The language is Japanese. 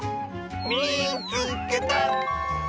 「みいつけた！」。